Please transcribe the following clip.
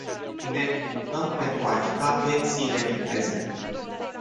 Ne împrumutăm pentru a achita pensiile din prezent.